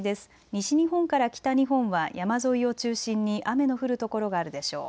西日本から北日本は山沿いを中心に雨の降る所があるでしょう。